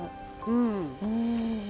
うん。